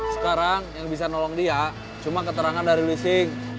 sekarang yang bisa nolong dia cuma keterangan dari leasing